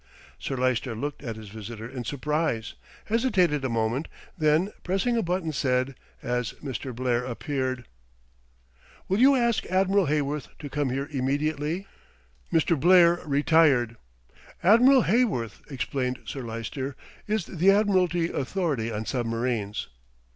Sir Lyster looked at his visitor in surprise, hesitated a moment, then pressing a button said, as Mr. Blair appeared: "Will you ask Admiral Heyworth to come here immediately?" Mr. Blair retired. "Admiral Heyworth," explained Sir Lyster, "is the Admiralty authority on submarines."